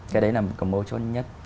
cái đấy là một cầm ô trốn nhất